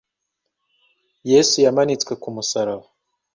Yesu yamanitswe ku musaraba,